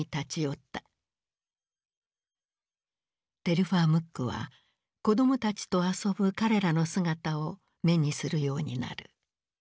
テルファー・ムックは子供たちと遊ぶ彼らの姿を目にするようになる。